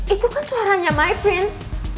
itu kan suaranya my prince